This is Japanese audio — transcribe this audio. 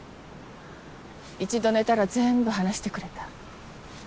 一度寝たら全部話してくれた。